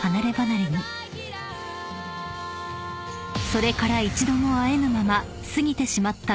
［それから一度も会えぬまま過ぎてしまった］